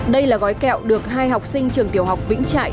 đây là gói kẹo được hai học sinh trường tiểu học vĩnh trại